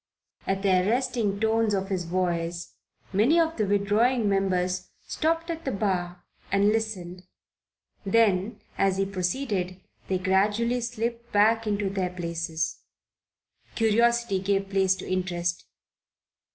At the arresting tones of his voice many of the withdrawing members stopped at the bar and listened, then as he proceeded they gradually slipped back into their places. Curiosity gave place to interest.